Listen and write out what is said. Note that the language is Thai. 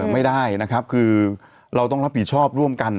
ไม่ได้นะครับคือเราต้องรับผิดชอบร่วมกัน